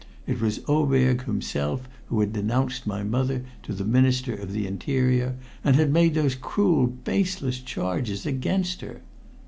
It was Oberg himself who had denounced my mother to the Minister of the Interior, and had made those cruel, baseless charges against her!